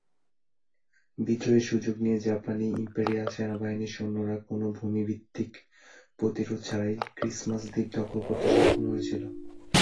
বিদ্রোহের সুযোগ নিয়ে জাপানি ইম্পেরিয়াল সেনাবাহিনীর সৈন্যরা কোন ভূমি-ভিত্তিক প্রতিরোধ ছাড়াই ক্রিসমাস দ্বীপ দখল করতে সক্ষম হয়েছিল।